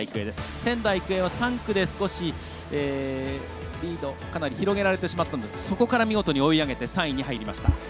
仙台育英は３区でリード、かなり広げられてしまいましたがそこからかなり追い上げて３位に入りました。